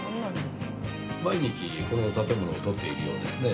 毎日この建物を撮っているようですね。